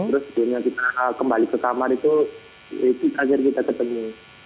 terus di sini kita kembali ke kamar itu itu akhirnya kita ketemu